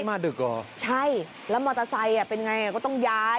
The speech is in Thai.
มาดึกเหรอใช่แล้วมอเตอร์ไซต์เป็นอย่างไรก็ต้องย้าย